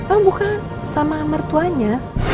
oh bukan sama mertuanya